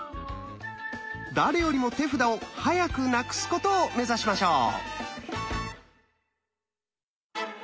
誰よりも手札を「早くなくす」ことを目指しましょう！